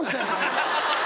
ハハハハハ！